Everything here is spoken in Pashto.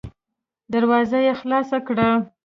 دروازه يې خلاصه کړه.